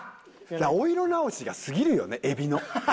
お色直しが過ぎるよねエビの。